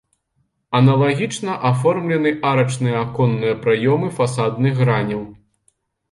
Аналагічна аформлены арачныя аконныя праёмы фасадных граняў.